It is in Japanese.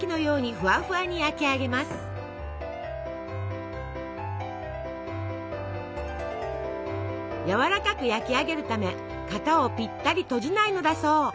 やわらかく焼き上げるため型をぴったり閉じないのだそう。